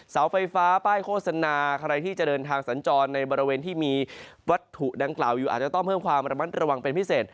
เสาไฟฟ้าป้ายโฆษณาใครที่จะเดินทางสัญจรในบริเวณที่มีวัตถุดังกล่าวอยู่อาจจะต้องเพิ่มความระมัดระวังเป็นพิเศษ